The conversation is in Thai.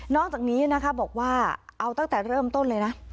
จากนี้นะคะบอกว่าเอาตั้งแต่เริ่มต้นเลยนะ